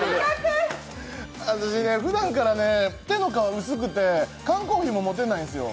私ね、ふだんから手の皮、薄くて缶コーヒーも持てないんですよ。